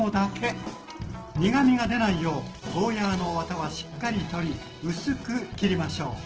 苦みが出ないようゴーヤーのわたはしっかり取り薄く切りましょう。